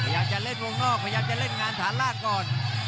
อยากจะเล่นวงนอกอยากจะเล่นงานฐานหน้าก่อน